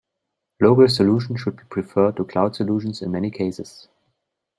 Local solutions should be preferred to cloud solutions in many cases.